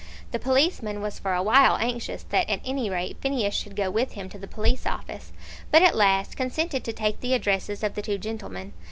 The policeman was for a while anxious that at any rate Phineas should go with him to the police office; but at last consented to take the addresses of the two gentlemen.